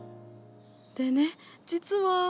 でね実は。